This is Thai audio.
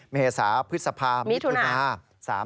เมษาพฤษภามิถุนา